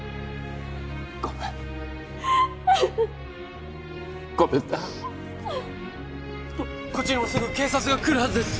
ごめんごめんなこっちにもすぐ警察が来るはずです